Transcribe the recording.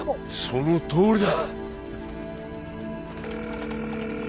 そのとおりだ